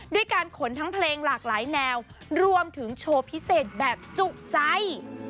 ด้วยการขนทั้งเพลงหลากหลายแนวรวมถึงโชว์พิเศษแบบจุใจ